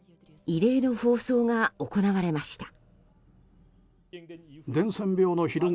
異例の放送が行われました。